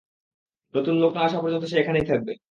নতুন লোক না আসা পর্যন্ত সে এখানেই থাকবে।